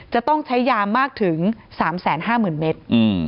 จะต้องใช้ยามากถึง๓๕๐๐๐เมตร